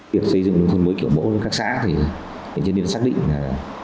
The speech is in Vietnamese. việc xây dựng nông thôn mới kiểu mẫu trong các xã thì trấn yên xác định là